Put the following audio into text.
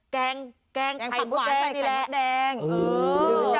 แกงแกงไข่มดแดงนี่แหละ